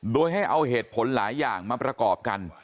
โดยให้เอาเหตุผลหลายอย่างมาประกอบกัน